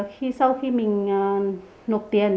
thì sau khi mình nộp tiền